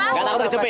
enggak tahu kejepit